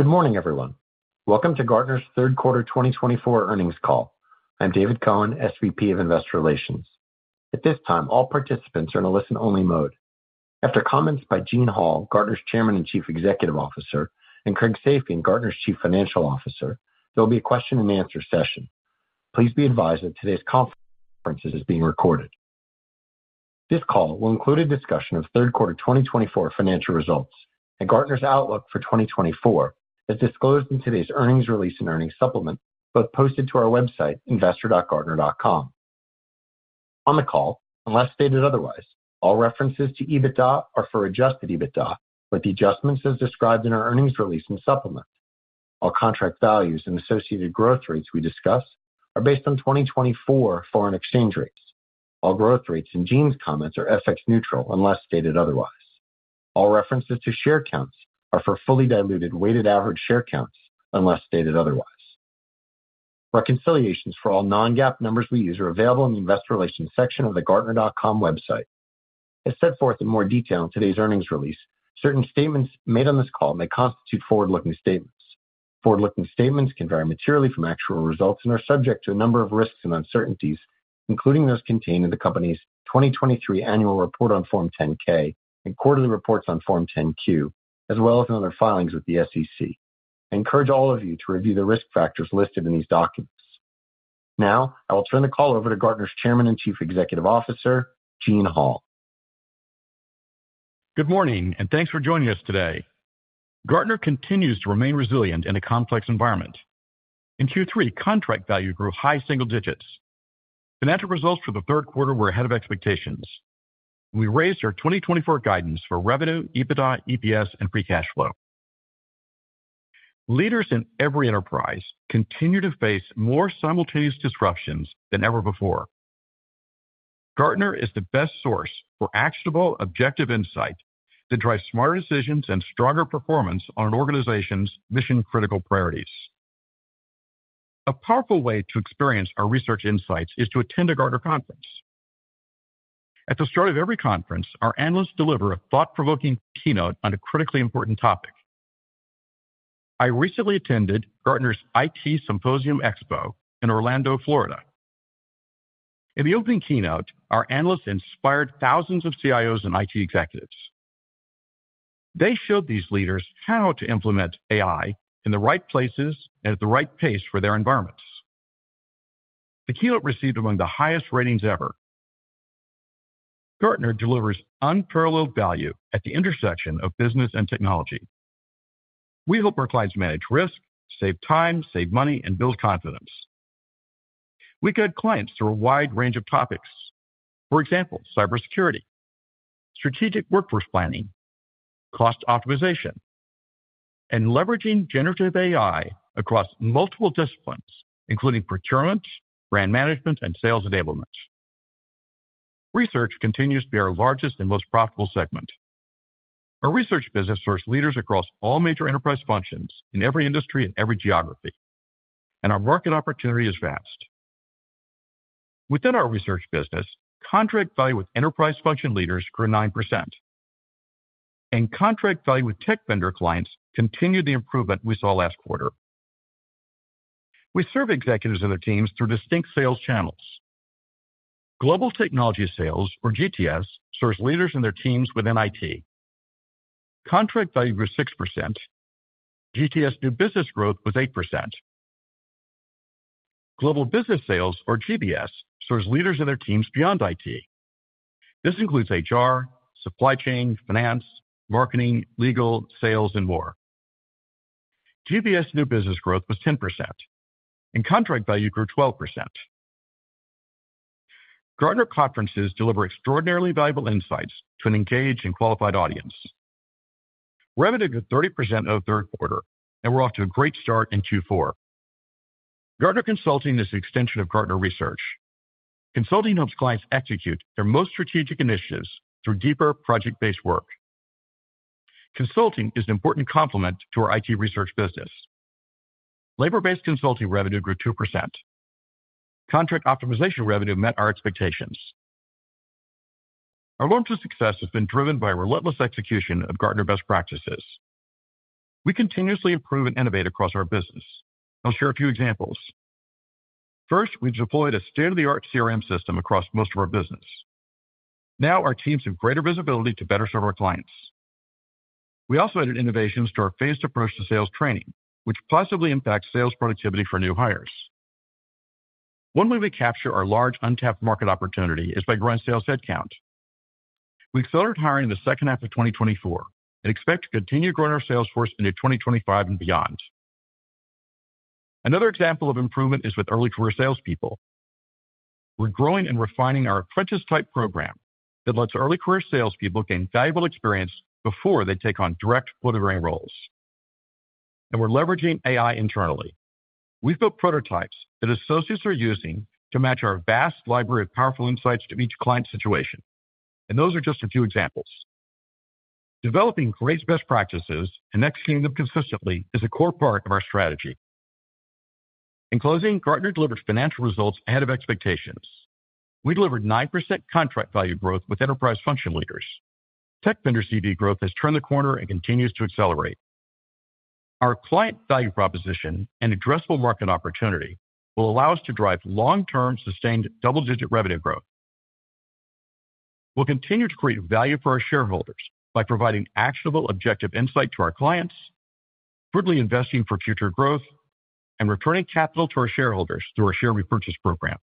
Good morning, everyone. Welcome to Gartner's third quarter 2024 earnings call. I'm David Cohen, SVP of Investor Relations. At this time, all participants are in a listen-only mode. After comments by Eugene Hall, Gartner's Chairman and Chief Executive Officer, and Craig Safian, Gartner's Chief Financial Officer, there will be a question-and-answer session. Please be advised that today's conference is being recorded. This call will include a discussion of third quarter 2024 financial results and Gartner's outlook for 2024 as disclosed in today's earnings release and earnings supplement, both posted to our website, investor.gartner.com. On the call, unless stated otherwise, all references to EBITDA are for adjusted EBITDA, with the adjustments as described in our earnings release and supplement. All contract values and associated growth rates we discuss are based on 2024 foreign exchange rates. All growth rates in Eugene 's comments are FX neutral, unless stated otherwise. All references to share counts are for fully diluted weighted average share counts, unless stated otherwise. Reconciliations for all non-GAAP numbers we use are available in the Investor Relations section of the Gartner.com website. As set forth in more detail in today's earnings release, certain statements made on this call may constitute forward-looking statements. Forward-looking statements can vary materially from actual results and are subject to a number of risks and uncertainties, including those contained in the company's 2023 annual report on Form 10-K and quarterly reports on Form 10-Q, as well as in other filings with the SEC. I encourage all of you to review the risk factors listed in these documents. Now, I will turn the call over to Gartner's Chairman and Chief Executive Officer, EuEugene Hall. Good morning, and thanks for joining us today. Gartner continues to remain resilient in a complex environment. In Q3, contract value grew high single digits. Financial results for the third quarter were ahead of expectations. We raised our 2024 guidance for revenue, EBITDA, EPS, and free cash flow. Leaders in every enterprise continue to face more simultaneous disruptions than ever before. Gartner is the best source for actionable, objective insight that drives smarter decisions and stronger performance on an organization's mission-critical priorities. A powerful way to experience our research insights is to attend a Gartner conference. At the start of every conference, our analysts deliver a thought-provoking keynote on a critically important topic. I recently attended Gartner's IT Symposium/Xpo in Orlando, Florida. In the opening keynote, our analysts inspired thousands of CIOs and IT executives. They showed these leaders how to implement AI in the right places and at the right pace for their environments. The keynote received among the highest ratings ever. Gartner delivers unparalleled value at the intersection of business and technology. We help our clients manage risk, save time, save money, and build confidence. We guide clients through a wide range of topics. For example, cybersecurity, strategic workforce planning, cost optimization, and leveraging generative AI across multiple disciplines, including procurement, brand management, and sales enablement. Research continues to be our largest and most profitable segment. Our research business serves leaders across all major enterprise functions in every industry and every geography, and our market opportunity is vast. Within our research business, contract value with enterprise function leaders grew 9%, and contract value with tech vendor clients continued the improvement we saw last quarter. We serve executives and their teams through distinct sales channels. Global Technology Sales, or GTS, serves leaders and their teams within IT. Contract value grew 6%. GTS new business growth was 8%. Global Business Sales, or GBS, serves leaders and their teams beyond IT. This includes HR, supply chain, finance, marketing, legal, sales, and more. GBS new business growth was 10%, and contract value grew 12%. Gartner Conferences deliver extraordinarily valuable insights to an engaged and qualified audience. Revenue grew 30% in the third quarter, and we're off to a great start in Q4. Gartner Consulting is an extension of Gartner Research. Consulting helps clients execute their most strategic initiatives through deeper project-based work. Consulting is an important complement to our IT research business. Labor-based consulting revenue grew 2%. Contract Optimization revenue met our expectations. Our long-term success has been driven by a relentless execution of Gartner best practices. We continuously improve and innovate across our business. I'll share a few examples. First, we've deployed a state-of-the-art CRM system across most of our business. Now, our teams have greater visibility to better serve our clients. We also added innovations to our phased approach to sales training, which positively impacts sales productivity for new hires. One way we capture our large untapped market opportunity is by growing sales headcount. We accelerate hiring in the second half of 2024 and expect to continue growing our sales force into 2025 and beyond. Another example of improvement is with early career salespeople. We're growing and refining our apprentice-type program that lets early career salespeople gain valuable experience before they take on direct quota-bearing roles. And we're leveraging AI internally. We've built prototypes that associates are using to match our vast library of powerful insights to each client situation. Those are just a few examples. Developing great best practices and executing them consistently is a core part of our strategy. In closing, Gartner delivered financial results ahead of expectations. We delivered 9% contract value growth with enterprise function leaders. Tech vendor CV growth has turned the corner and continues to accelerate. Our client value proposition and addressable market opportunity will allow us to drive long-term sustained double-digit revenue growth. We'll continue to create value for our shareholders by providing actionable objective insight to our clients, prudently investing for future growth, and returning capital to our shareholders through our share repurchase program.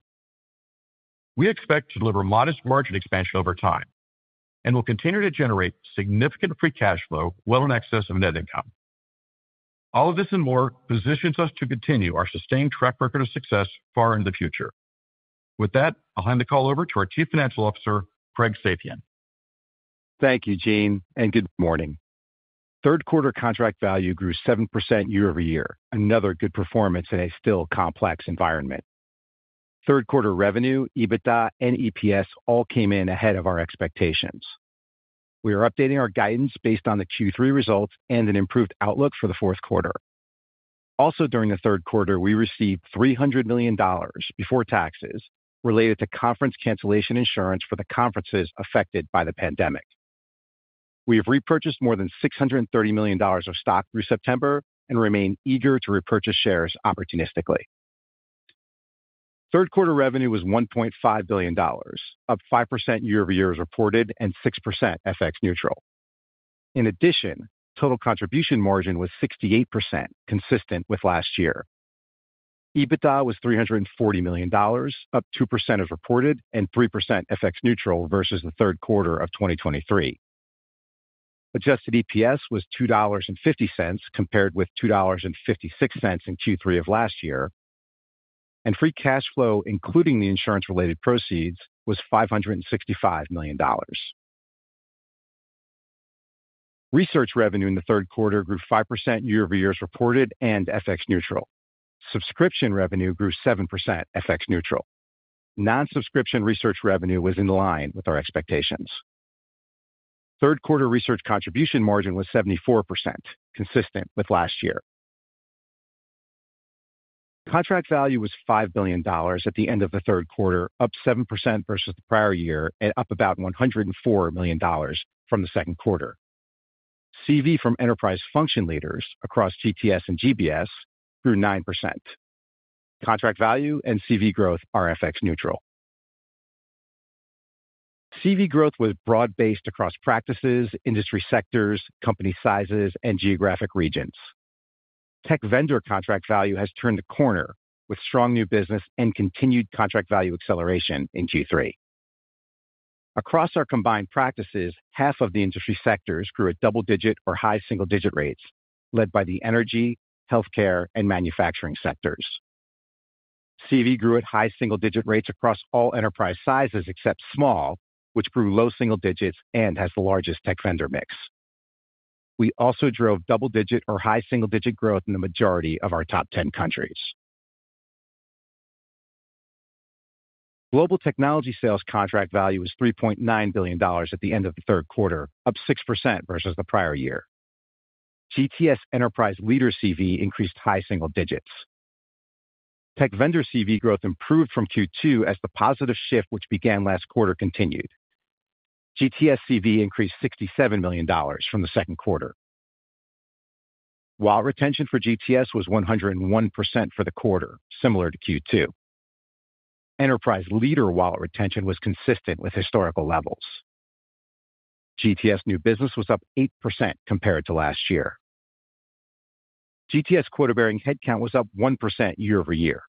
We expect to deliver modest margin expansion over time and will continue to Eugene rate significant free cash flow well in excess of net income. All of this and more positions us to continue our sustained track record of success far into the future. With that, I'll hand the call over to our Chief Financial Officer, Craig Swan. Thank you, Eugene, and good morning. Third quarter contract value grew 7% year over year, another good performance in a still complex environment. Third quarter revenue, EBITDA, and EPS all came in ahead of our expectations. We are updating our guidance based on the Q3 results and an improved outlook for the fourth quarter. Also, during the third quarter, we received $300 million before taxes related to conference cancellation insurance for the conferences affected by the pandemic. We have repurchased more than $630 million of stock through September and remain eager to repurchase shares opportunistically. Third quarter revenue was $1.5 billion, up 5% year over year as reported and 6% FX neutral. In addition, total contribution margin was 68%, consistent with last year. EBITDA was $340 million, up 2% as reported and 3% FX neutral versus the third quarter of 2023. Adjusted EPS was $2.50 compared with $2.56 in Q3 of last year, and free cash flow, including the insurance-related proceeds, was $565 million. Research revenue in the third quarter grew 5% year over year as reported and FX neutral. Subscription revenue grew 7% FX neutral. Non-subscription research revenue was in line with our expectations. Third quarter research contribution margin was 74%, consistent with last year. Contract value was $5 billion at the end of the third quarter, up 7% versus the prior year and up about $104 million from the second quarter. CV from enterprise function leaders across GTS and GBS grew 9%. Contract value and CV growth are FX neutral. CV growth was broad-based across practices, industry sectors, company sizes, and geographic regions. Tech vendor contract value has turned the corner with strong new business and continued contract value acceleration in Q3. Across our combined practices, half of the industry sectors grew at double-digit or high single-digit rates, led by the energy, healthcare, and manufacturing sectors. CV grew at high single-digit rates across all enterprise sizes except small, which grew low single digits and has the largest tech vendor mix. We also drove double-digit or high single-digit growth in the majority of our top 10 countries. Global technology sales contract value was $3.9 billion at the end of the third quarter, up 6% versus the prior year. GTS enterprise leader CV increased high single digits. Tech vendor CV growth improved from Q2 as the positive shift, which began last quarter, continued. GTS CV increased $67 million from the second quarter. Wallet retention for GTS was 101% for the quarter, similar to Q2. Enterprise leader wallet retention was consistent with historical levels. GTS new business was up 8% compared to last year. GTS quarter-bearing headcount was up 1% year over year.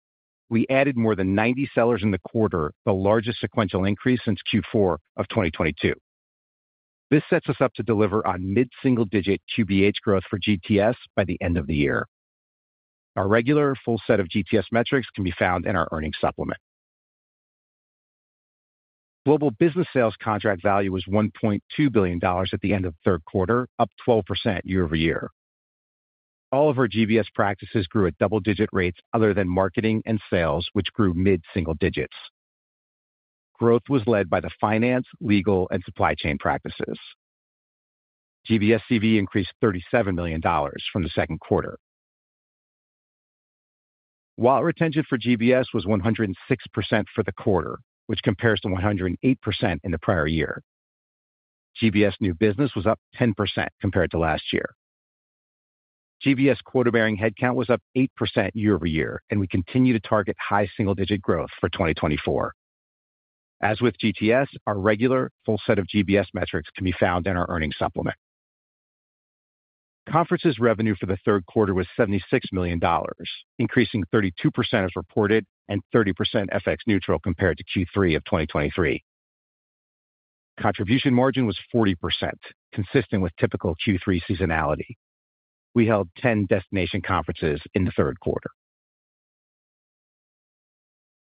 We added more than 90 sellers in the quarter, the largest sequential increase since Q4 of 2022. This sets us up to deliver on mid-single-digit QBH growth for GTS by the end of the year. Our regular full set of GTS metrics can be found in our earnings supplement. Global Business Sales contract value was $1.2 billion at the end of the third quarter, up 12% year over year. All of our GBS practices grew at double-digit rates other than marketing and sales, which grew mid-single digits. Growth was led by the finance, legal, and supply chain practices. GBS CV increased $37 million from the second quarter. Wallet retention for GBS was 106% for the quarter, which compares to 108% in the prior year. GBS new business was up 10% compared to last year. GBS quota-bearing headcount was up 8% year over year, and we continue to target high single-digit growth for 2024. As with GTS, our regular full set of GBS metrics can be found in our earnings supplement. Conferences revenue for the third quarter was $76 million, increasing 32% as reported and 30% FX neutral compared to Q3 of 2023. Contribution margin was 40%, consistent with typical Q3 seasonality. We held 10 destination conferences in the third quarter.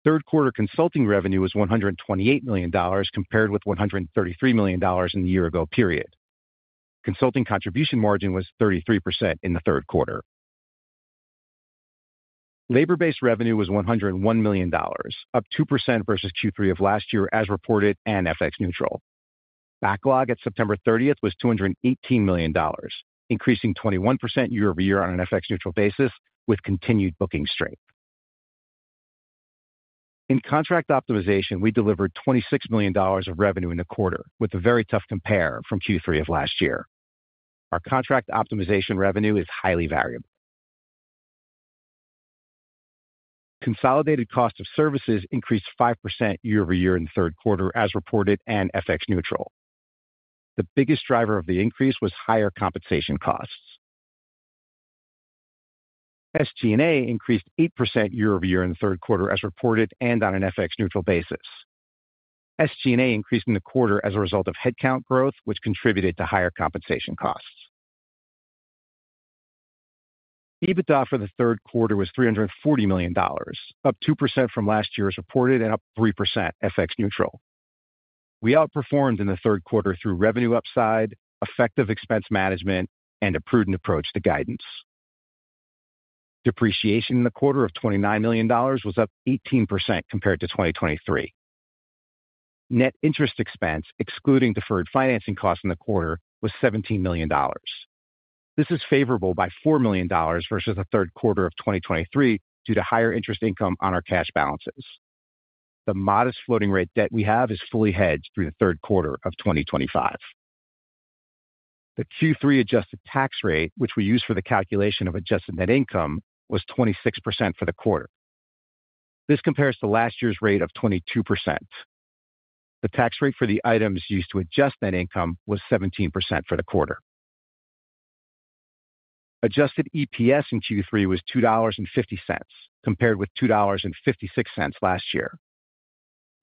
Third quarter consulting revenue was $128 million compared with $133 million in the year-ago period. Consulting contribution margin was 33% in the third quarter. Labor-based revenue was $101 million, up 2% versus Q3 of last year as reported and FX neutral. Backlog at September 30th was $218 million, increasing 21% year over year on an FX neutral basis with continued booking strength. In contract optimization, we delivered $26 million of revenue in the quarter, with a very tough compare from Q3 of last year. Our contract optimization revenue is highly valuable. Consolidated cost of services increased 5% year over year in the third quarter as reported and FX neutral. The biggest driver of the increase was higher compensation costs. SG&A increased 8% year over year in the third quarter as reported and on an FX neutral basis. SG&A increased in the quarter as a result of headcount growth, which contributed to higher compensation costs. EBITDA for the third quarter was $340 million, up 2% from last year as reported and up 3% FX neutral. We outperformed in the third quarter through revenue upside, effective expense management, and a prudent approach to guidance. Depreciation in the quarter of $29 million was up 18% compared to 2023. Net interest expense, excluding deferred financing costs in the quarter, was $17 million. This is favorable by $4 million versus the third quarter of 2023 due to higher interest income on our cash balances. The modest floating rate debt we have is fully hedged through the third quarter of 2025. The Q3 adjusted tax rate, which we use for the calculation of adjusted net income, was 26% for the quarter. This compares to last year's rate of 22%. The tax rate for the items used to adjust net income was 17% for the quarter. Adjusted EPS in Q3 was $2.50 compared with $2.56 last year.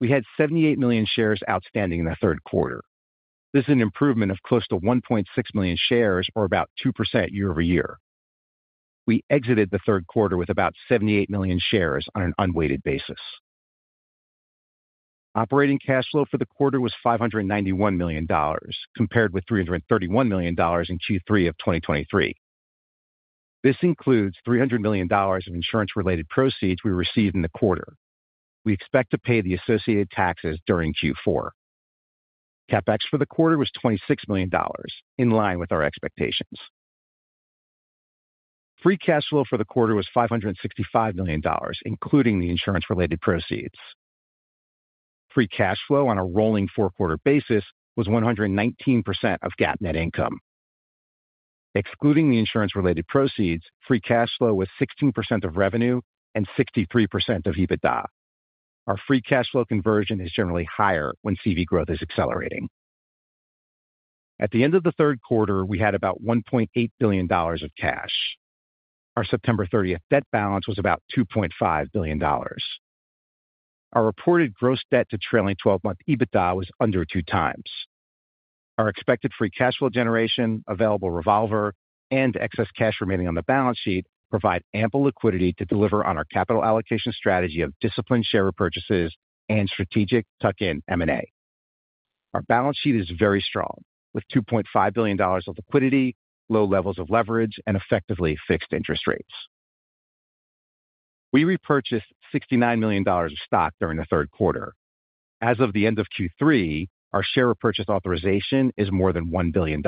We had 78 million shares outstanding in the third quarter. This is an improvement of close to 1.6 million shares or about 2% year over year. We exited the third quarter with about 78 million shares on an unweighted basis. Operating cash flow for the quarter was $591 million compared with $331 million in Q3 of 2023. This includes $300 million of insurance-related proceeds we received in the quarter. We expect to pay the associated taxes during Q4. CapEx for the quarter was $26 million, in line with our expectations. Free cash flow for the quarter was $565 million, including the insurance-related proceeds. Free cash flow on a rolling four-quarter basis was 119% of GAAP net income. Excluding the insurance-related proceeds, free cash flow was 16% of revenue and 63% of EBITDA. Our free cash flow conversion is generally higher when CV growth is accelerating. At the end of the third quarter, we had about $1.8 billion of cash. Our September 30th debt balance was about $2.5 billion. Our reported gross debt to trailing 12-month EBITDA was under two times. Our expected free cash flow Eugene ration, available revolver, and excess cash remaining on the balance sheet provide ample liquidity to deliver on our capital allocation strategy of disciplined share repurchases and strategic tuck-in M&A. Our balance sheet is very strong with $2.5 billion of liquidity, low levels of leverage, and effectively fixed interest rates. We repurchased $69 million of stock during the third quarter. As of the end of Q3, our share repurchase authorization is more than $1 billion.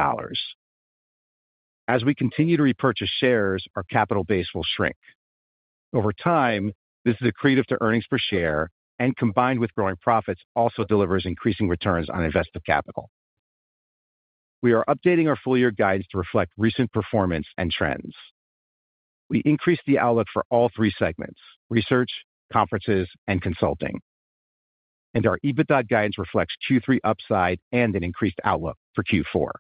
As we continue to repurchase shares, our capital base will shrink. Over time, this is accretive to earnings per share and, combined with growing profits, also delivers increasing returns on invested capital. We are updating our full-year guidance to reflect recent performance and trends. We increased the outlook for all three segments: research, conferences, and consulting. Our EBITDA guidance reflects Q3 upside and an increased outlook for Q4.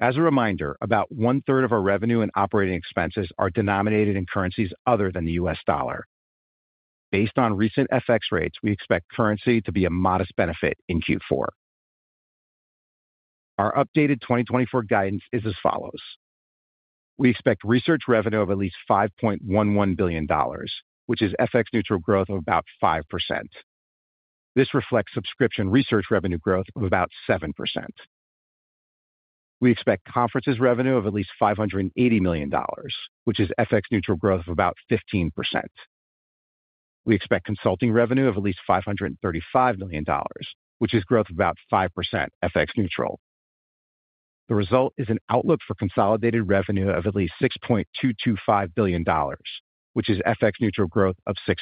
As a reminder, about one-third of our revenue and operating expenses are denominated in currencies other than the U.S. dollar. Based on recent FX rates, we expect currency to be a modest benefit in Q4. Our updated 2024 guidance is as follows. We expect research revenue of at least $5.11 billion, which is FX neutral growth of about 5%. This reflects subscription research revenue growth of about 7%. We expect conferences revenue of at least $580 million, which is FX neutral growth of about 15%. We expect consulting revenue of at least $535 million, which is growth of about 5% FX neutral. The result is an outlook for consolidated revenue of at least $6.225 billion, which is FX neutral growth of 6%.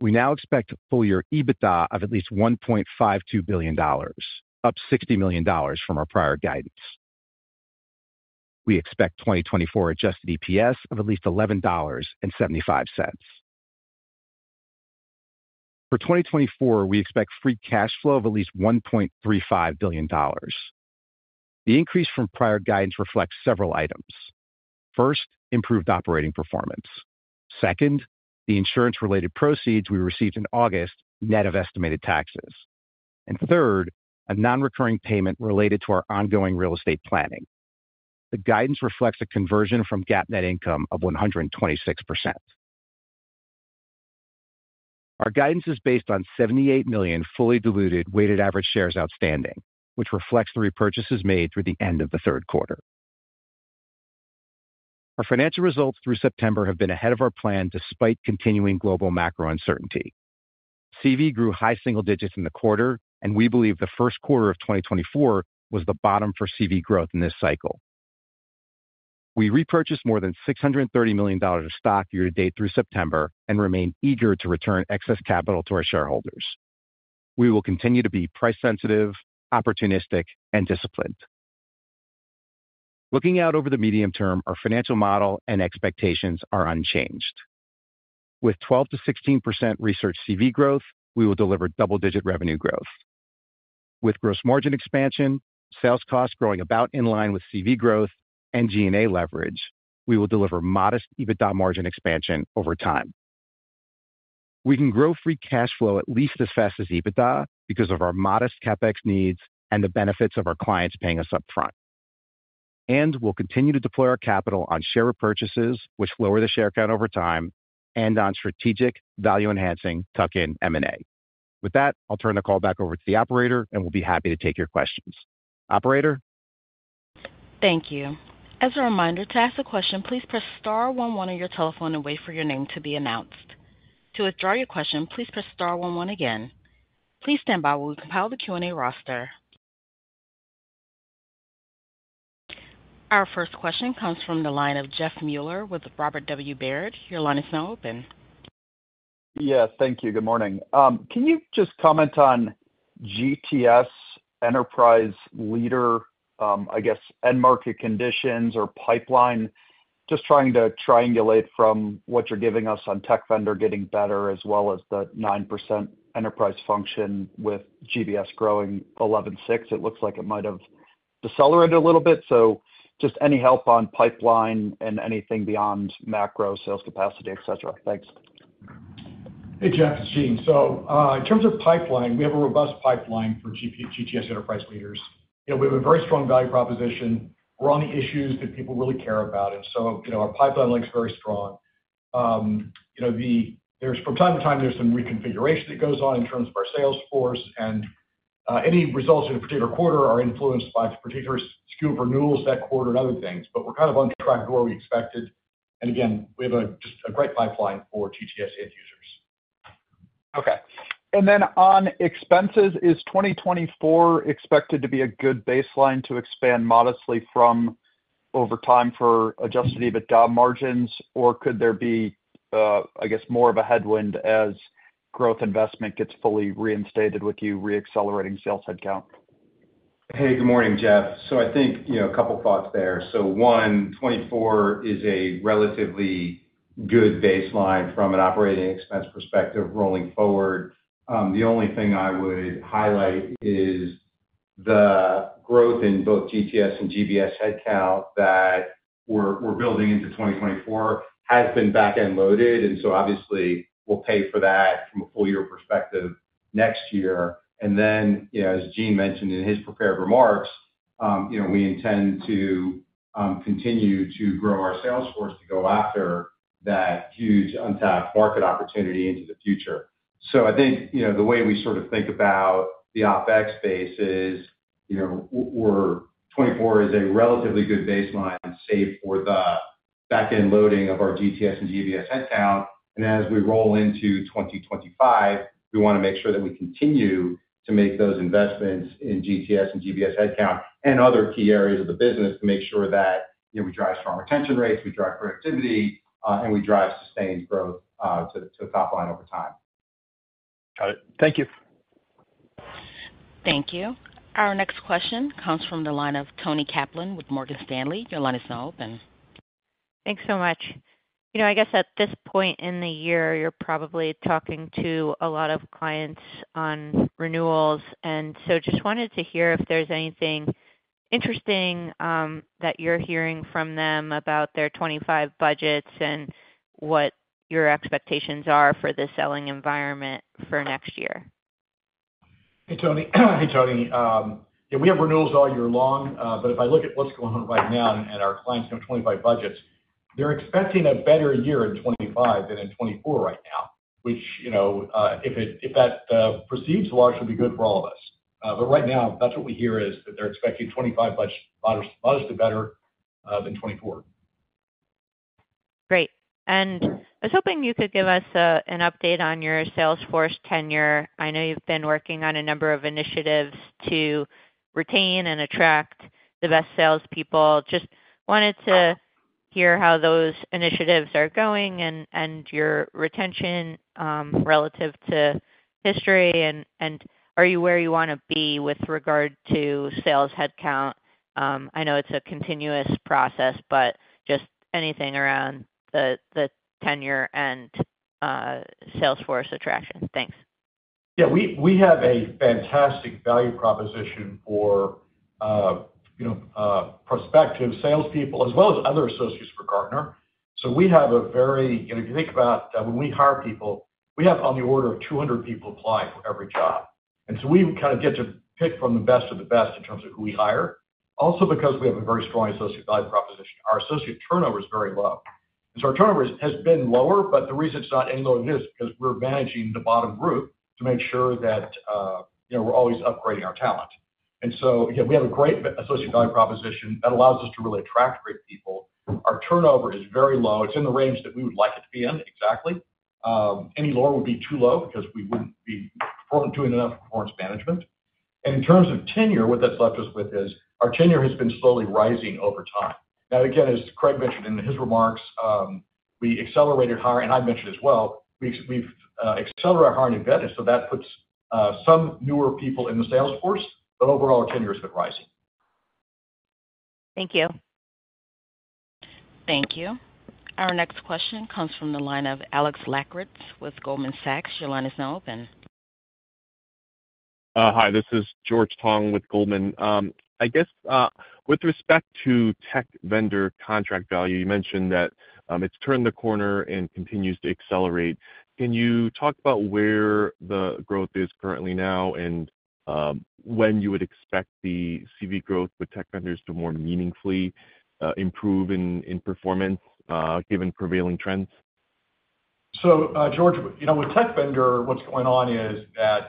We now expect full-year EBITDA of at least $1.52 billion, up $60 million from our prior guidance. We expect 2024 adjusted EPS of at least $11.75. For 2024, we expect free cash flow of at least $1.35 billion. The increase from prior guidance reflects several items. First, improved operating performance. Second, the insurance-related proceeds we received in August net of estimated taxes. And third, a non-recurring payment related to our ongoing real estate planning. The guidance reflects a conversion from GAAP net income of 126%. Our guidance is based on 78 million fully diluted weighted average shares outstanding, which reflects the repurchases made through the end of the third quarter. Our financial results through September have been ahead of our plan despite continuing global macro uncertainty. CV grew high single digits in the quarter, and we believe the first quarter of 2024 was the bottom for CV growth in this cycle. We repurchased more than $630 million of stock year-to-date through September and remain eager to return excess capital to our shareholders. We will continue to be price-sensitive, opportunistic, and disciplined. Looking out over the medium term, our financial model and expectations are unchanged. With 12%-16% research CV growth, we will deliver double-digit revenue growth. With gross margin expansion, sales costs growing about in line with CV growth, and G&A leverage, we will deliver modest EBITDA margin expansion over time. We can grow free cash flow at least as fast as EBITDA because of our modest CapEx needs and the benefits of our clients paying us upfront. And we'll continue to deploy our capital on share repurchases, which lower the share count over time, and on strategic value-enhancing tuck-in M&A. With that, I'll turn the call back over to the operator, and we'll be happy to take your questions. Operator? Thank you. As a reminder, to ask a question, please press star 11 on your telephone and wait for your name to be announced. To withdraw your question, please press star 11 again. Please stand by while we compile the Q&A roster. Our first question comes from the line of Jeffrey Meuler with Robert W. Baird. Your line is now open. Yes, thank you. Good morning. Can you just comment on GTS enterprise leader, I guess, end market conditions or pipeline, just trying to triangulate from what you're giving us on tech vendor getting better as well as the 9% enterprise function with GBS growing 11.6%? It looks like it might have decelerated a little bit. So just any help on pipeline and anything beyond macro sales capacity, etc. Thanks. Hey, Jeff. It's Eugene. So in terms of pipeline, we have a robust pipeline for GTS enterprise leaders. We have a very strong value proposition. We're on the issues that people really care about. And so our pipeline looks very strong. From time to time, there's some reconfiguration that goes on in terms of our sales force. And any results in a particular quarter are influenced by particular skew of renewals that quarter and other things. But we're kind of on track to where we expected. And again, we have just a great pipeline for GTS end users. Okay. And then on expenses, is 2024 expected to be a good baseline to expand modestly from over time for Adjusted EBITDA margins, or could there be, I guess, more of a headwind as growth investment gets fully reinstated with you re-accelerating sales headcount? Hey, good morning, Jeff. So I think a couple of thoughts there. So, 2024 is a relatively good baseline from an operating expense perspective rolling forward. The only thing I would highlight is the growth in both GTS and GBS headcount that we're building into 2024 has been back-end loaded. And so obviously, we'll pay for that from a full-year perspective next year. And then, as EuEugene mentioned in his prepared remarks, we intend to continue to grow our sales force to go after that huge untapped market opportunity into the future. So I think the way we sort of think about the OpEx space is 2024 is a relatively good baseline save for the back-end loading of our GTS and GBS headcount. And as we roll into 2025, we want to make sure that we continue to make those investments in GTS and GBS headcount and other key areas of the business to make sure that we drive strong retention rates, we drive productivity, and we drive sustained growth to the top line over time. Got it. Thank you. Thank you. Our next question comes from the line of Toni Kaplan with Morgan Stanley. Your line is now open. Thanks so much. I guess at this point in the year, you're probably talking to a lot of clients on renewals. And so just wanted to hear if there's anything interesting that you're hearing from them about their 2025 budgets and what your expectations are for the selling environment for next year. Hey, Toni. Hey, Toni. We have renewals all year long. But if I look at what's going on right now and our clients' 2025 budgets, they're expecting a better year in 2025 than in 2024 right now, which if that proceeds, largely be good for all of us. But right now, that's what we hear is that they're expecting 2025 budgets modestly better than 2024. Great. And I was hoping you could give us an update on your sales force tenure. I know you've been working on a number of initiatives to retain and attract the best salespeople. Just wanted to hear how those initiatives are going and your retention relative to history. And are you where you want to be with regard to sales headcount? I know it's a continuous process, but just anything around the tenure and sales force attraction. Thanks. Yeah. We have a fantastic value proposition for prospective salespeople as well as other associates for Gartner. So, if you think about when we hire people, we have on the order of 200 people applying for every job. And so we kind of get to pick from the best of the best in terms of who we hire. Also because we have a very strong associate value proposition, our associate turnover is very low. And so our turnover has been lower, but the reason it's not any lower than it is because we're managing the bottom group to make sure that we're always upgrading our talent. And so we have a great associate value proposition that allows us to really attract great people. Our turnover is very low. It's in the range that we would like it to be in exactly. Any lower would be too low because we wouldn't be doing enough performance management. In terms of tenure, what that's left us with is our tenure has been slowly rising over time. Now, again, as Craig mentioned in his remarks, we accelerated hiring. And I mentioned as well, we've accelerated hiring in Venice. So that puts some newer people in the sales force. But overall, our tenure has been rising. Thank you. Thank you. Our next question comes from the line of Alex Lackertz with Goldman Sachs. Your line is now open. Hi. This is George Tong with Goldman. I guess with respect to tech vendor contract value, you mentioned that it's turned the corner and continues to accelerate. Can you talk about where the growth is currently now and when you would expect the CV growth with tech vendors to more meaningfully improve in performance given prevailing trends? So George, with tech vendor, what's going on is that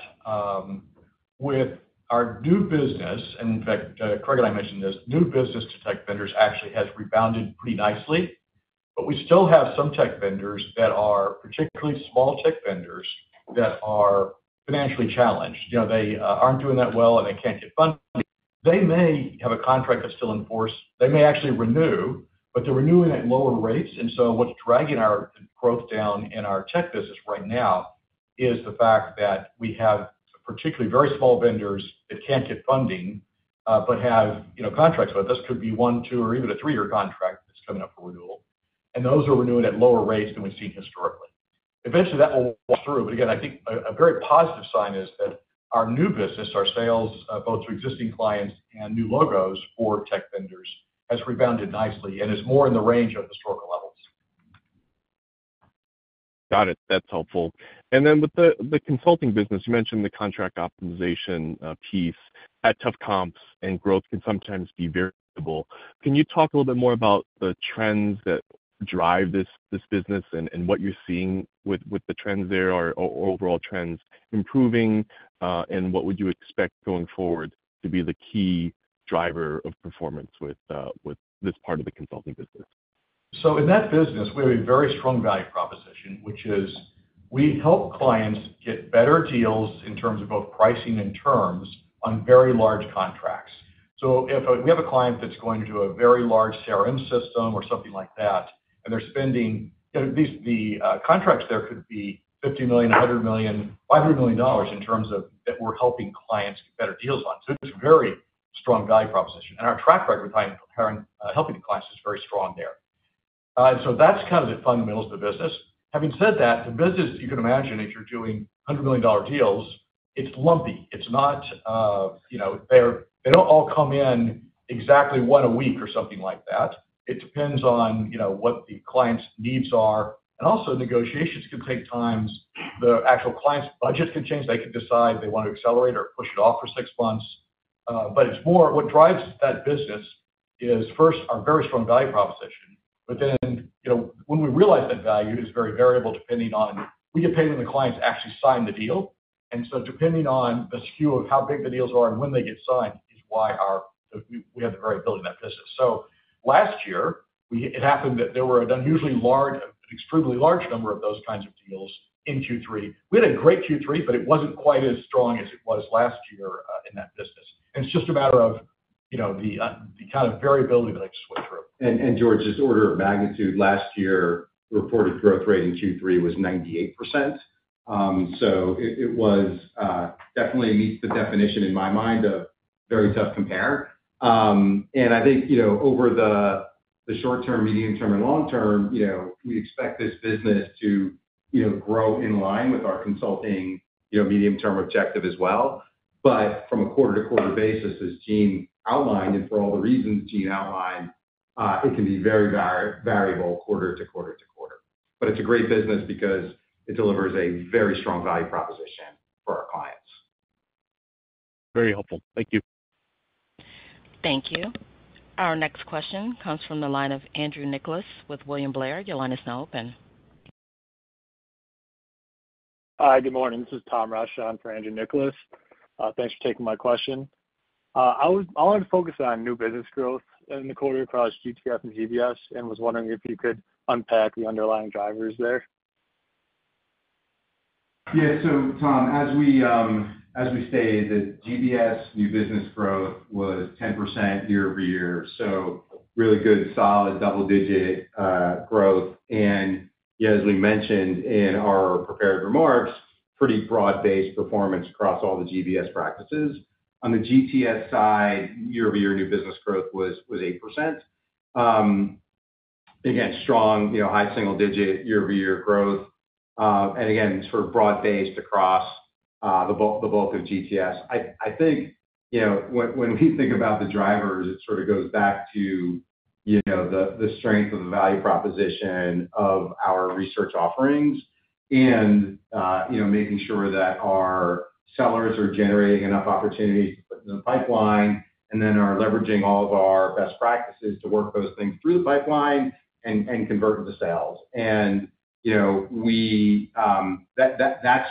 with our new business, and in fact, Craig and I mentioned this, new business to tech vendors actually has rebounded pretty nicely. But we still have some tech vendors that are particularly small tech vendors that are financially challenged. They aren't doing that well, and they can't get funding. They may have a contract that's still in force. They may actually renew, but they're renewing at lower rates. And so what's dragging our growth down in our tech business right now is the fact that we have particularly very small vendors that can't get funding but have contracts with us. This could be one, two, or even a three-year contract that's coming up for renewal. And those are renewing at lower rates than we've seen historically. Eventually, that will wash through. But again, I think a very positive sign is that our new business, our sales both to existing clients and new logos for tech vendors has rebounded nicely and is more in the range of historical levels. Got it. That's helpful. And then with the consulting business, you mentioned the contract optimization piece. That tough comps and growth can sometimes be variable. Can you talk a little bit more about the trends that drive this business and what you're seeing with the trends there or overall trends improving? And what would you expect going forward to be the key driver of performance with this part of the consulting business? So in that business, we have a very strong value proposition, which is we help clients get better deals in terms of both pricing and terms on very large contracts. So if we have a client that's going to a very large ERP system or something like that, and they're spending the contracts there could be $50 million, $100 million, $500 million in terms of that we're helping clients get better deals on. So it's a very strong value proposition. And our track record with helping the clients is very strong there. And so that's kind of the fundamentals of the business. Having said that, the business, you can imagine if you're doing $100 million deals, it's lumpy. It's not they don't all come in exactly one a week or something like that. It depends on what the client's needs are. And also, negotiations can take times. The actual client's budget can change. They can decide they want to accelerate or push it off for six months. But what drives that business is, first, our very strong value proposition. But then, when we realize that value is very variable depending on when we get paid when the clients actually sign the deal. And so, depending on the skew of how big the deals are and when they get signed, is why we have the variability in that business. So last year, it happened that there were an unusually large, extremely large number of those kinds of deals in Q3. We had a great Q3, but it wasn't quite as strong as it was last year in that business. And it's just a matter of the kind of variability that I just went through. And George, just an order of magnitude, last year, the reported growth rate in Q3 was 98%. So it definitely meets the definition in my mind of very tough compare. And I think over the short term, medium term, and long term, we expect this business to grow in line with our consulting medium-term objective as well. But from a quarter-to-quarter basis, as Eugene outlined, and for all the reasons Eugene outlined, it can be very variable quarter to quarter to quarter. But it's a great business because it delivers a very strong value proposition for our clients. Very helpful. Thank you. Thank you. Our next question comes from the line of Andrew Nicholas with William Blair. Your line is now open. Hi. Good morning. This is Tom Rashawn for Andrew Nicholas. Thanks for taking my question. I wanted to focus on new business growth in the quarter across GTS and GBS and was wondering if you could unpack the underlying drivers there. Yeah. So Tom, as we stated, GBS new business growth was 10% year over year. Really good solid double-digit growth. As we mentioned in our prepared remarks, pretty broad-based performance across all the GBS practices. On the GTS side, year-over-year new business growth was 8%. Again, strong, high single-digit year-over-year growth. Again, sort of broad-based across the bulk of GTS. I think when we think about the drivers, it sort of goes back to the strength of the value proposition of our research offerings and making sure that our sellers are generating enough opportunities to put in the pipeline and then are leveraging all of our best practices to work those things through the pipeline and convert into sales. That's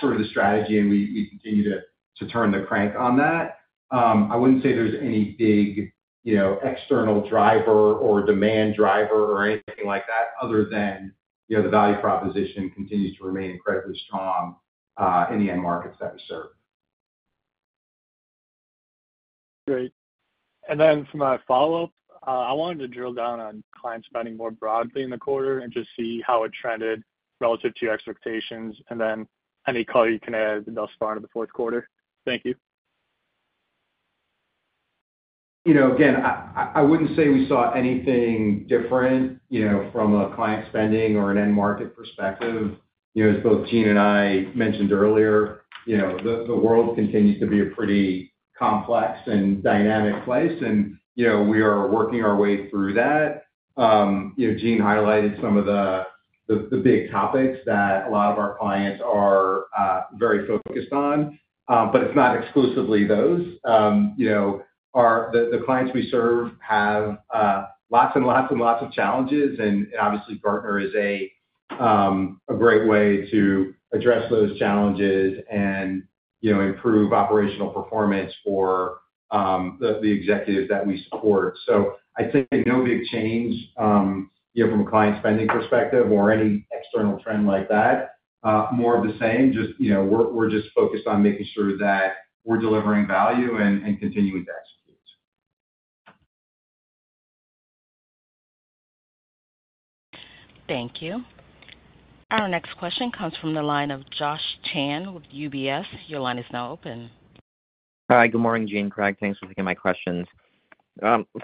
sort of the strategy, and we continue to turn the crank on that. I wouldn't say there's any big external driver or demand driver or anything like that other than the value proposition continues to remain incredibly strong in the end markets that we serve. Great. For my follow-up, I wanted to drill down on client spending more broadly in the quarter and just see how it trended relative to your expectations. And then any color you can add thus far into the fourth quarter. Thank you. Again, I wouldn't say we saw anything different from a client spending or an end market perspective. As both Eugene and I mentioned earlier, the world continues to be a pretty complex and dynamic place, and we are working our way through that. Eugene highlighted some of the big topics that a lot of our clients are very focused on, but it's not exclusively those. The clients we serve have lots and lots and lots of challenges, and obviously, Gartner is a great way to address those challenges and improve operational performance for the executives that we support, so I'd say no big change from a client spending perspective or any external trend like that. More of the same. We're just focused on making sure that we're delivering value and continuing to execute. Thank you. Our next question comes from the line of Joshua Chan with UBS. Your line is now open. Hi. Good morning, Eugene, Craig. Thanks for taking my questions,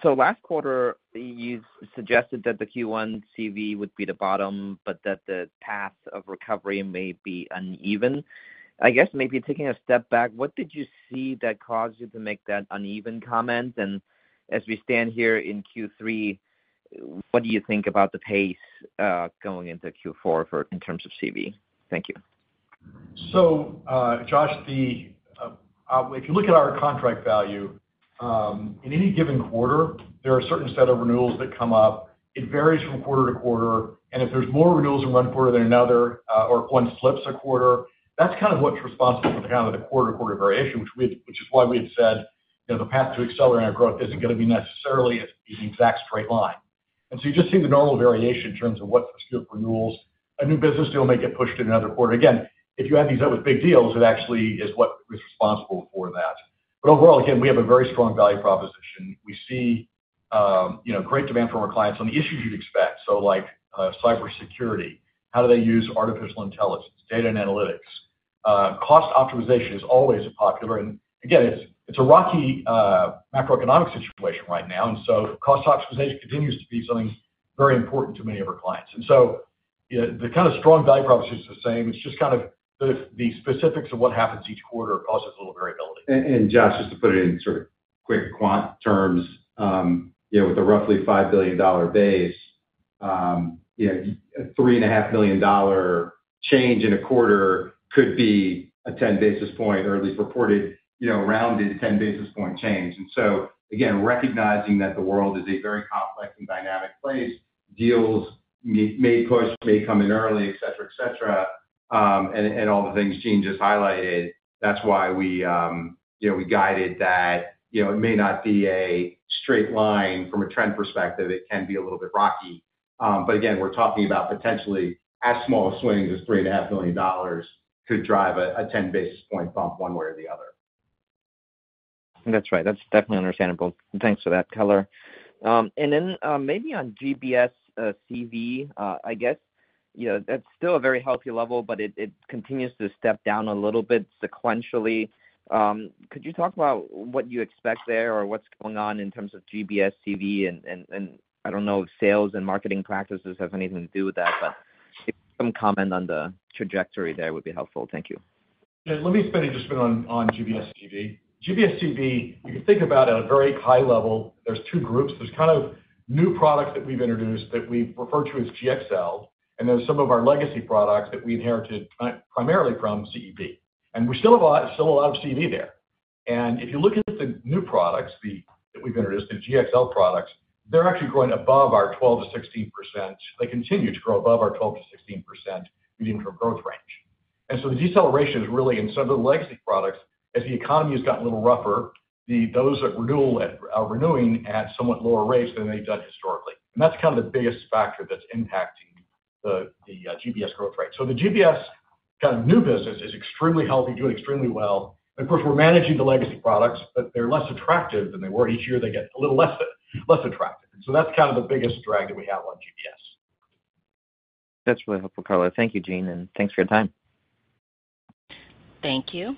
so last quarter, you suggested that the Q1 CV would be the bottom, but that the path of recovery may be uneven. I guess maybe taking a step back, what did you see that caused you to make that uneven comment? And as we stand here in Q3, what do you think about the pace going into Q4 in terms of CV? Thank you. So Josh, if you look at our contract value, in any given quarter, there are a certain set of renewals that come up. It varies from quarter to quarter. And if there's more renewals in one quarter than another or one flips a quarter, that's kind of what's responsible for the kind of quarter-to-quarter variation, which is why we had said the path to accelerating growth isn't going to be necessarily an exact straight line. And so you just see the normal variation in terms of what's the skew of renewals. A new business deal may get pushed in another quarter. Again, if you add these up with big deals, it actually is what is responsible for that. But overall, again, we have a very strong value proposition. We see great demand from our clients on the issues you'd expect, so like cybersecurity. How do they use artificial intelligence, data and analytics? Cost optimization is always popular. And again, it's a rocky macroeconomic situation right now. And so cost optimization continues to be something very important to many of our clients. And so the kind of strong value proposition is the same. It's just kind of the specifics of what happens each quarter causes a little variability. And Josh, just to put it in sort of quick quant terms, with a roughly $5 billion base, a $3.5 million change in a quarter could be a 10 basis point or at least reported rounded 10 basis point change. And so again, recognizing that the world is a very complex and dynamic place, deals may push, may come in early, etc., etc., and all the things Eugene just highlighted, that's why we guided that it may not be a straight line from a trend perspective. It can be a little bit rocky. But again, we're talking about potentially as small swings as $3.5 million could drive a 10 basis points bump one way or the other. That's right. That's definitely understandable. Thanks for that, Craig. And then maybe on GBS CV, I guess that's still a very healthy level, but it continues to step down a little bit sequentially. Could you talk about what you expect there or what's going on in terms of GBS CV? I don't know if sales and marketing practices have anything to do with that, but some comment on the trajectory there would be helpful thank you. Let me spend just a bit on GBS CV. GBS CV, you can think about it at a very high level. There's two groups. There's kind of new products that we've introduced that we refer to as GXL. And there's some of our legacy products that we inherited primarily from CEP. And we still have a lot of CEP there. And if you look at the new products that we've introduced, the GXL products, they're actually growing above our 12%-16%. They continue to grow above our 12%-16% medium-term growth range. And so the deceleration is really in some of the legacy products. As the economy has gotten a little rougher, those that are renewing at somewhat lower rates than they've done historically. And that's kind of the biggest factor that's impacting the GBS growth rate. So the GBS kind of new business is extremely healthy, doing extremely well. And of course, we're managing the legacy products, but they're less attractive than they were. Each year, they get a little less attractive. And so that's kind of the biggest drag that we have on GBS. That's really helpful, Keller. Thank you, Eugene. And thanks for your time. Thank you.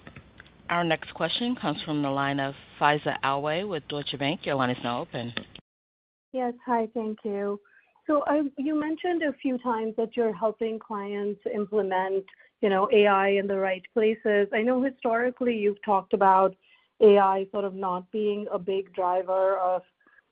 Our next question comes from the line of Faiza Alwy with Deutsche Bank. Your line is now open. Yes. Hi. Thank you. So you mentioned a few times that you're helping clients implement AI in the right places. I know historically, you've talked about AI sort of not being a big driver of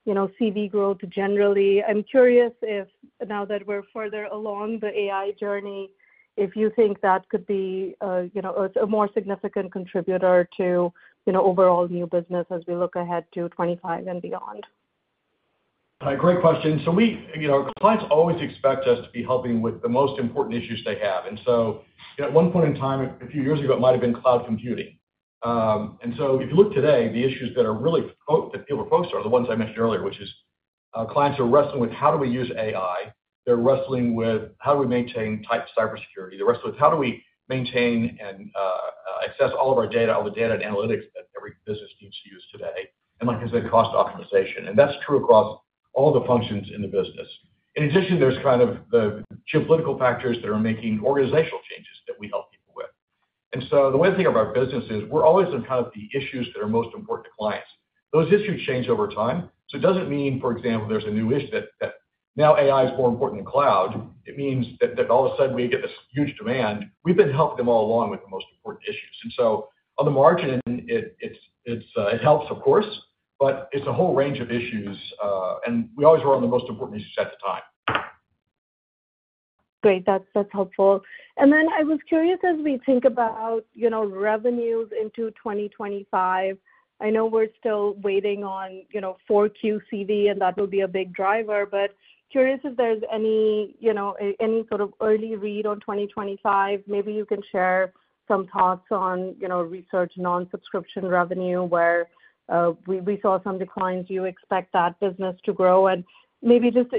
CV growth Eugene rally. I'm curious if now that we're further along the AI journey, if you think that could be a more significant contributor to overall new business as we look ahead to 2025 and beyond. Great question. So clients always expect us to be helping with the most important issues they have. And so at one point in time, a few years ago, it might have been cloud computing. And so if you look today, the issues that are really that people are focused on are the ones I mentioned earlier, which is clients are wrestling with how do we use AI. They're wrestling with how do we maintain tight cybersecurity. They're wrestling with how do we maintain and access all of our data, all the data and analytics that every business needs to use today, and like I said, cost optimization. And that's true across all the functions in the business. In addition, there's kind of the geopolitical factors that are making organizational changes that we help people with, and so the way I think of our business is we're always on kind of the issues that are most important to clients. Those issues change over time, so it doesn't mean, for example, there's a new issue that now AI is more important than cloud. It means that all of a sudden, we get this huge demand. We've been helping them all along with the most important issues, and so on the margin, it helps, of course, but it's a whole range of issues. And we always were on the most important issues at the time. Great.That's helpful. And then I was curious, as we think about revenues into 2025. I know we're still waiting on 4Q CV, and that will be a big driver. But curious if there's any sort of early read on 2025. Maybe you can share some thoughts on research non-subscription revenue where we saw some declines. You expect that business to grow? And maybe just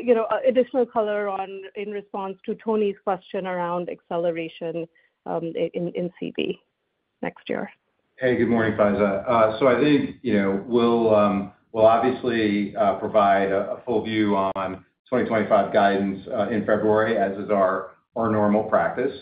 additional color in response to Toni's question around acceleration in CV next year. Hey, good morning, Faiza. So I think we'll obviously provide a full view on 2025 guidance in February, as is our normal practice.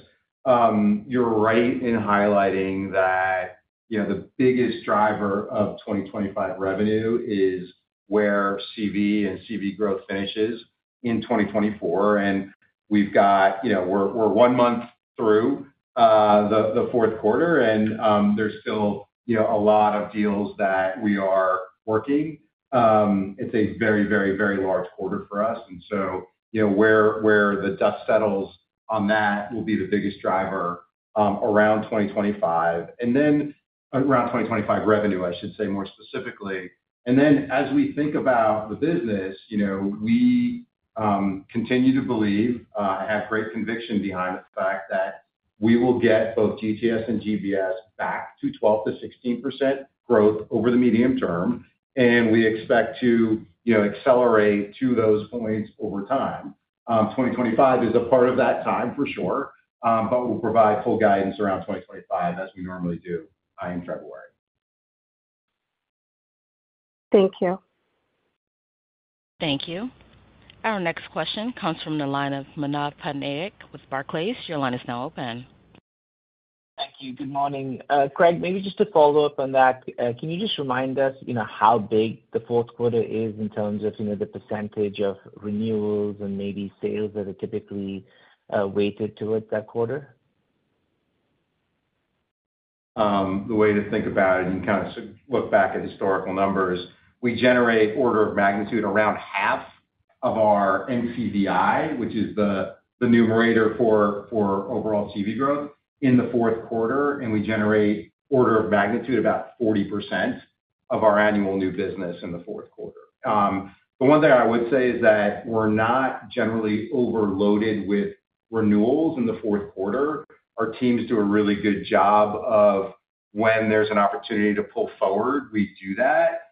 You're right in highlighting that the biggest driver of 2025 revenue is where CV and CV growth finishes in 2024. We're one month through the fourth quarter, and there's still a lot of deals that we are working. It's a very, very, very large quarter for us. And so where the dust settles on that will be the biggest driver around 2025. And then around 2025 revenue, I should say more specifically. And then as we think about the business, we continue to believe. I have great conviction behind the fact that we will get both GTS and GBS back to 12%-16% growth over the medium term. And we expect to accelerate to those points over time. 2025 is a part of that time, for sure, but we'll provide full guidance around 2025 as we normally do in February. Thank you. Our next question comes from the line of Manav Patnaik with Barclays Your line is now open. Thank you. Good morning. Craig, maybe just to follow up on that, can you just remind us how big the fourth quarter is in terms of the percentage of renewals and maybe sales that are typically weighted towards that quarter? The way to think about it and kind of look back at historical numbers, we Eugene rate order of magnitude around half of our MCVI, which is the numerator for overall CV growth in the fourth quarter. And we Eugene rate order of magnitude about 40% of our annual new business in the fourth quarter. The one thing I would say is that we're not Eugene rally overloaded with renewals in the fourth quarter. Our teams do a really good job of when there's an opportunity to pull forward, we do that.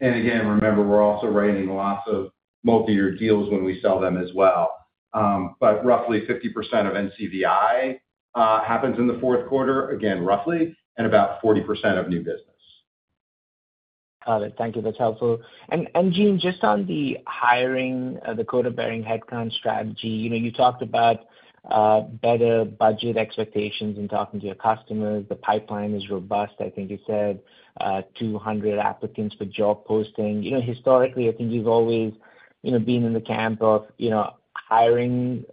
And again, remember, we're also writing lots of multi-year deals when we sell them as well. But roughly 50% of MCVI happens in the fourth quarter, again, roughly, and about 40% of new business. Got it. Thank you. That's helpful. And Eugene, just on the hiring, the quota-bearing headcount strategy, you talked about better budget expectations in talking to your customers. The pipeline is robust, I think you said, 200 applicants per job posting. Historically, I think you've always been in the camp of hiring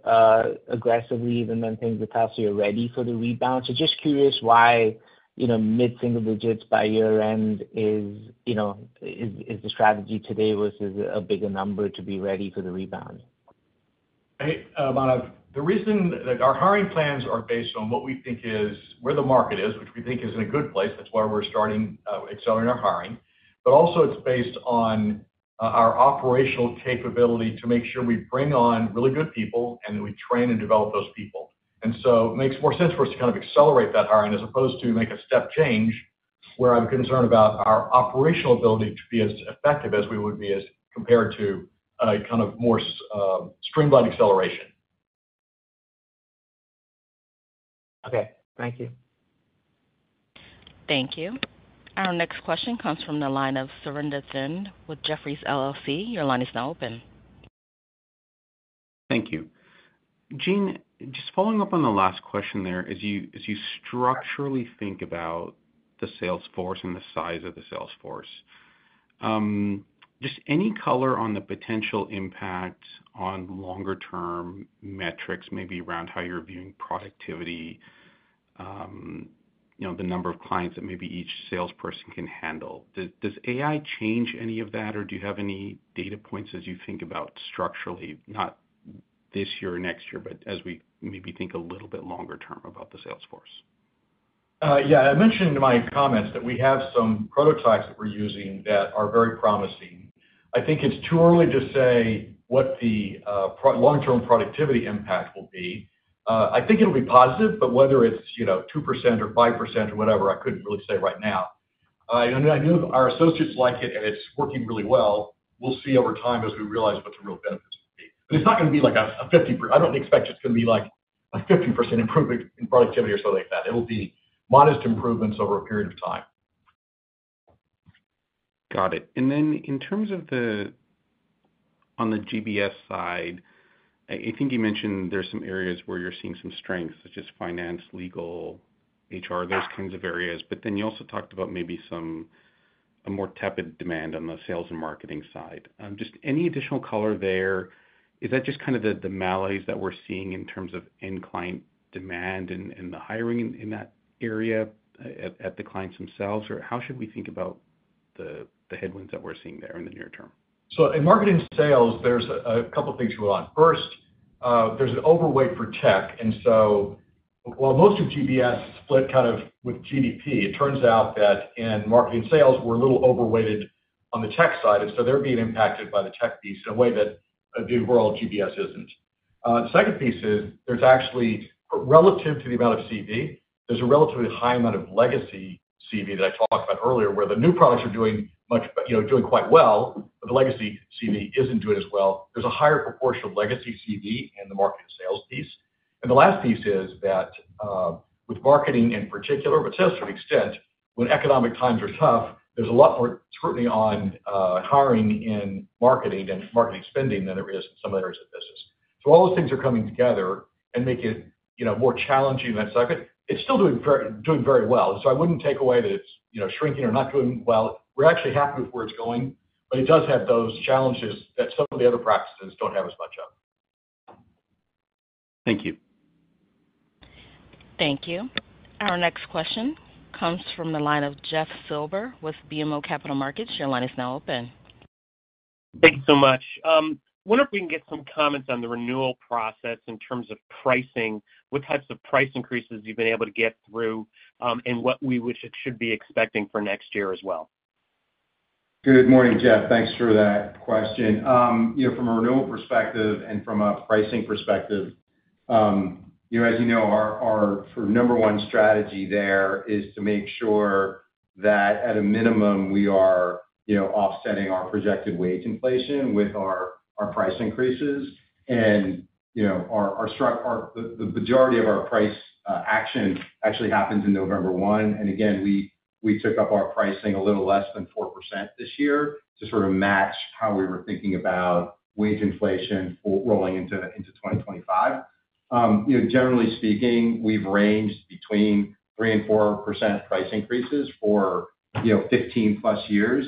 aggressively even when things are tough so you're ready for the rebound. So just curious why mid-single digits by year-end is the strategy today versus a bigger number to be ready for the rebound. The reason that our hiring plans are based on what we think is where the market is, which we think is in a good place. That's why we're starting accelerating our hiring. But also, it's based on our operational capability to make sure we bring on really good people and that we train and develop those people. And so it makes more sense for us to kind of accelerate that hiring as opposed to make a step change where I'm concerned about our operational ability to be as effective as we would be as compared to kind of more streamlined acceleration. Okay. Thank you. Thank you. Our next question comes from the line of Surinder Thind with Jefferies LLC. Your line is now open. Thank you. Eugene, just following up on the last question there, as you structurally think about the salesforce and the size of the salesforce, just any color on the potential impact on longer-term metrics, maybe around how you're viewing productivity, the number of clients that maybe each salesperson can handle. Does AI change any of that, or do you have any data points as you think about structurally, not this year or next year, but as we maybe think a little bit longer term about the salesforce? Yeah. I mentioned in my comments that we have some prototypes that we're using that are very promising. I think it's too early to say what the long-term productivity impact will be. I think it'll be positive, but whether it's 2% or 5% or whatever, I couldn't really say right now. I know our associates like it, and it's working really well. We'll see over time as we realize what the real benefits will be. But it's not going to be like a 50%. I don't expect it's going to be like a 50% improvement in productivity or something like that. It'll be modest improvements over a period of time Got it In terms of the GBS side, I think you mentioned there's some areas where you're seeing some strengths, such as finance, legal, HR, those kinds of areas. You also talked about maybe some more tepid demand on the sales and marketing side. Just any additional color there? Is that just kind of the malaise that we're seeing in terms of in-client demand and the hiring in that area at the clients themselves? How should we think about the headwinds that we're seeing there in the near term? In marketing sales, there's a couple of things you would want. First, there's an overweight for tech. While most of GBS split kind of with GDP, it turns out that in marketing sales, we're a little overweighted on the tech side. And so they're being impacted by the tech piece in a way that the overall GBS isn't. The second piece is there's actually, relative to the amount of CV, there's a relatively high amount of legacy CV that I talked about earlier where the new products are doing quite well, but the legacy CV isn't doing as well. There's a higher proportion of legacy CV in the marketing sales piece. And the last piece is that with marketing in particular, but sales to an extent, when economic times are tough, there's a lot more scrutiny on hiring and marketing spending than there is in some areas of business. So all those things are coming together and make it more challenging in that segment. It's still doing very well. And so I wouldn't take away that it's shrinking or not doing well. We're actually happy with where it's going, but it does have those challenges that some of the other practices don't have as much of. Thank you. Thank you. Our next question comes from the line of Jeff Silber with BMO Capital Markets. Your line is now open. Thank you so much. I wonder if we can get some comments on the renewal process in terms of pricing, what types of price increases you've been able to get through, and what we should be expecting for next year as well. Good morning, Jeff. Thanks for that question. From a renewal perspective and from a pricing perspective, as you know, our number one strategy there is to make sure that at a minimum, we are offsetting our projected wage inflation with our price increases. And the majority of our price action actually happens in November 1. And again, we took up our pricing a little less than 4% this year to sort of match how we were thinking about wage inflation rolling into 2025. Eugene rally speaking, we've ranged between 3% and 4% price increases for 15-plus years,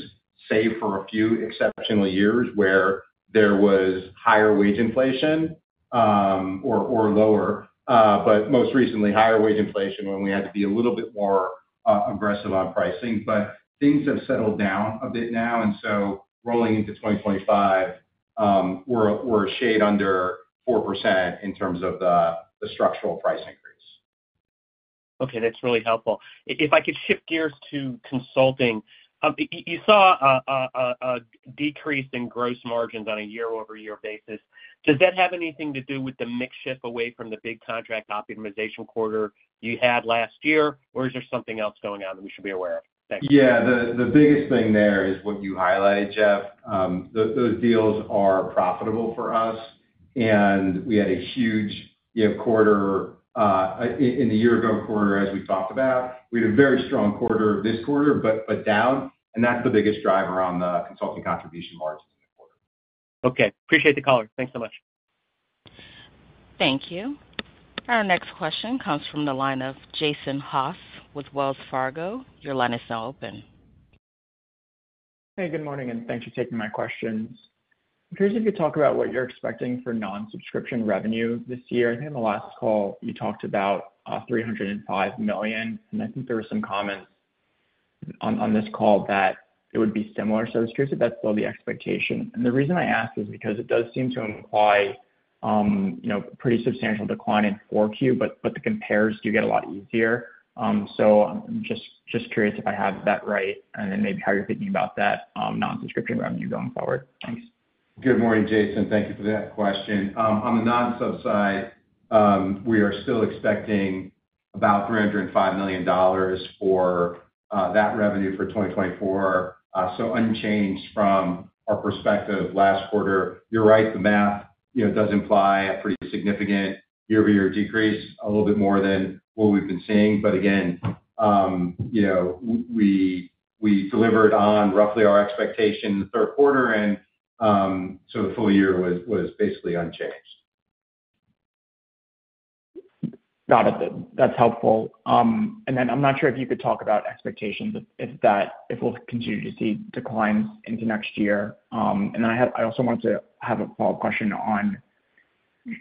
save for a few exceptional years where there was higher wage inflation or lower, but most recently, higher wage inflation when we had to be a little bit more aggressive on pricing. But things have settled down a bit now. And so rolling into 2025, we're a shade under 4% in terms of the structural price increase. Okay. That's really helpful. If I could shift gears to consulting, you saw a decrease in gross margins on a year-over-year basis. Does that have anything to do with the mix shift away from the big contract optimization quarter you had last year, or is there something else going on that we should be aware of? Thanks. Yeah. The biggest thing there is what you highlighted, Jeff. Those deals are profitable for us. And we had a huge quarter in the year-ago quarter, as we talked about. We had a very strong quarter this quarter, but down. And that's the biggest driver on the consulting contribution margin in the quarter. Okay. Appreciate the color. Thanks so much. Thank you. Our next question comes from the line of Jason Haas with Wells Fargo. Your line is now open. Hey, good morning, and thanks for taking my questions. I'm curious if you could talk about what you're expecting for non-subscription revenue this year. I think on the last call, you talked about $305 million. And I think there were some comments on this call that it would be similar. So I was curious if that's still the expectation. And the reason I ask is because it does seem to imply a pretty substantial decline in 4Q, but the compares do get a lot easier. So I'm just curious if I have that right, and then maybe how you're thinking about that non-subscription revenue going forward. Thanks. Good morning, Jason. Thank you for that question. On the non-sub side, we are still expecting about $305 million for that revenue for 2024, so unchanged from our perspective last quarter. You're right. The math does imply a pretty significant year-over-year decrease, a little bit more than what we've been seeing. But again, we delivered on roughly our expectation in the third quarter, and so the full year was basically unchanged. Got it. That's helpful. I'm not sure if you could talk about expectations if we'll continue to see declines into next year. I also wanted to have a follow-up question on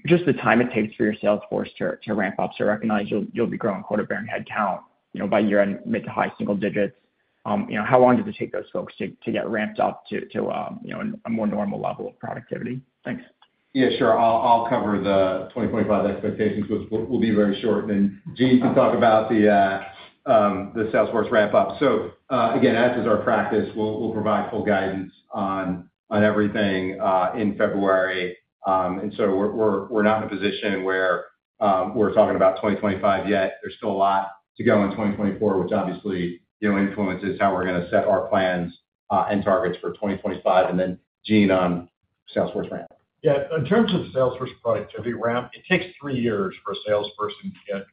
just the time it takes for your salesforce to ramp up. I recognize you'll be growing quota-bearing headcount by year-end, mid-to-high single digits. How long does it take those folks to get ramped up to a more normal level of productivity? Thanks. Yeah, sure. I'll cover the 2025 expectations, which will be very short. Then Eugene, you can talk about the salesforce ramp-up. Again, as is our practice, we'll provide full guidance on everything in February. We're not in a position where we're talking about 2025 yet. There's still a lot to go in 2024, which obviously influences how we're going to set our plans and targets for 2025. And then Eugene, on sales force ramp. Yeah. In terms of sales force productivity ramp, it takes three years for a salesperson to get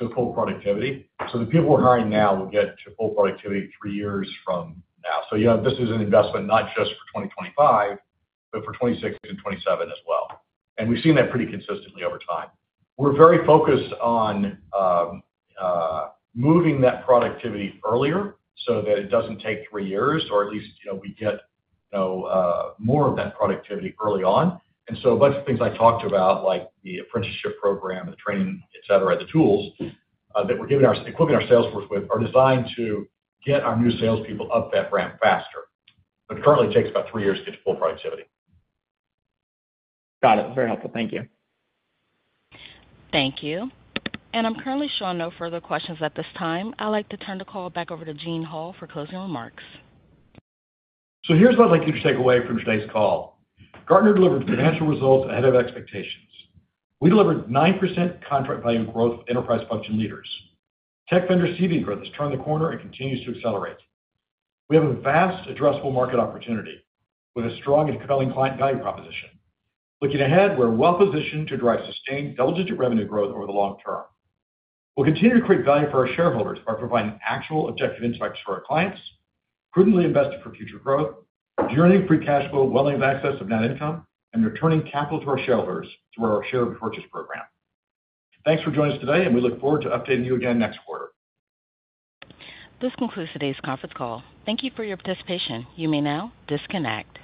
to full productivity. So the people we're hiring now will get to full productivity three years from now. So this is an investment not just for 2025, but for 2026 and 2027 as well. And we've seen that pretty consistently over time. We're very focused on moving that productivity earlier so that it doesn't take three years, or at least we get more of that productivity early on. And so a bunch of things I talked about, like the apprenticeship program, the training, etc., the tools that we're equipping our sales force with are designed to get our new salespeople up that ramp faster. But currently, it takes about three years to get to full productivity. Got it. Very helpful. Thank you. Thank you. I'm currently showing no further questions at this time. I'd like to turn the call back over to Eugene Hall for closing remarks. Here's what I'd like you to take away from today's call. Gartner delivered financial results ahead of expectations. We delivered 9% contract value growth with enterprise function leaders. Tech vendor CV growth has turned the corner and continues to accelerate. We have a vast addressable market opportunity with a strong and compelling client value proposition. Looking ahead, we're well-positioned to drive sustained double-digit revenue growth over the long term. We'll continue to create value for our shareholders by providing actionable, objective insights for our clients, prudently investing for future growth, Eugene rating free cash flow well in excess of net income, and returning capital to our shareholders through our share repurchase program. Thanks for joining us today, and we look forward to updating you again next quarter. This concludes today's conference call. Thank you for your participation. You may now disconnect.